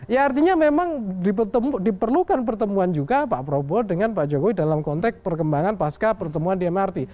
ya artinya memang diperlukan pertemuan juga pak prabowo dengan pak jokowi dalam konteks perkembangan pasca pertemuan di mrt